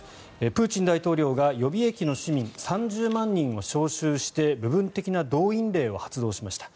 プーチン大統領が予備役の市民３０万人を招集して部分的な動員令を発動しました。